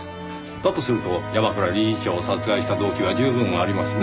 だとすると山倉理事長を殺害した動機は十分ありますね。